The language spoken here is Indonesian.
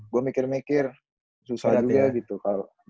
gue mikir mikir susah juga gitu kalo berat segala macam